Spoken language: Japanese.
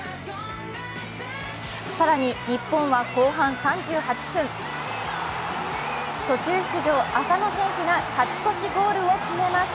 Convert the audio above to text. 更に日本は後半３８分、途中出場、浅野選手が勝ち越しゴールを決めます。